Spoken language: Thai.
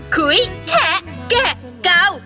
คุยแคะแกะเก่า